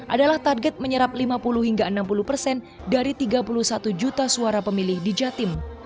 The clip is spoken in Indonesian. adalah target menyerap lima puluh hingga enam puluh persen dari tiga puluh satu juta suara pemilih di jatim